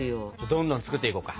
どんどん作っていこうか。